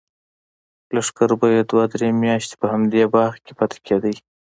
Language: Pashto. لښکر به یې دوه درې میاشتې په همدې باغ کې پاتې کېده.